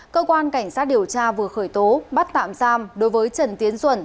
cơ quan cảnh sát điều tra vừa khởi tố bắt tạm giam đối với trần tiến duẩn